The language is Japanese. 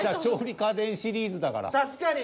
確かに。